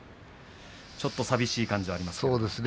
ちょっと寂しい感じがありますね。